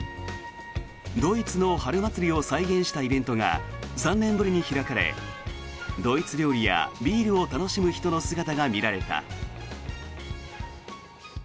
ドイツの春祭りを再現したイベントが３年ぶりに開かれドイツ料理やビールを楽しむ人の姿が見られた。